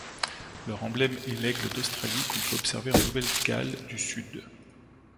Leur emblème est l'aigle d'Australie qu'on peut observer en Nouvelle-Galles du Sud.